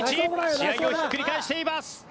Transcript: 試合をひっくり返しています。